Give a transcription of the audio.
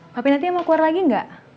mampi nanti mau keluar lagi ga